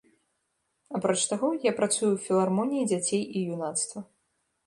Апроч таго, я працую ў філармоніі дзяцей і юнацтва.